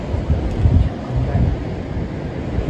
ฉันรู้ได้ไหม